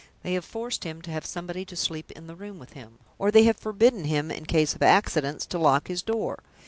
They have forced him to have somebody to sleep in the room with him, or they have forbidden him, in case of accidents, to lock his door.